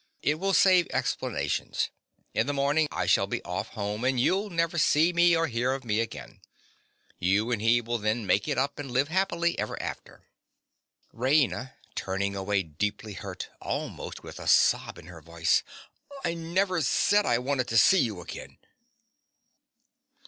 It will save explanations. In the morning I shall be off home; and you'll never see me or hear of me again. You and he will then make it up and live happily ever after. RAINA. (turning away deeply hurt, almost with a sob in her voice). I never said I wanted to see you again.